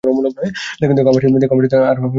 দেখো, আমার সাথে থানায় চলো, আর বয়ান দাও।